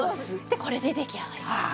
でこれで出来上がりです。